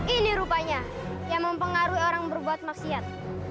ini rupanya yang mempengaruhi orang berbuat maksiat